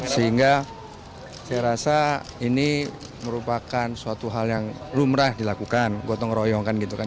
sehingga saya rasa ini merupakan suatu hal yang lumrah dilakukan gotong royong kan gitu kan